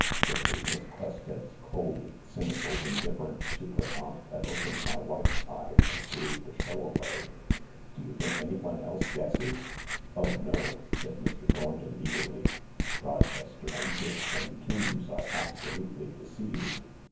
It was Miss Quested 's cold, cynical indifference to her aunt that opened my wife's eyes and gave the show away." " Do you think anyone else guesses ?"" Oh no," said Mr. Thornton eagerly. " Rochester and Dix and Tombs are absolutely deceived.